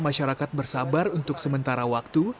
masyarakat bersabar untuk sementara waktu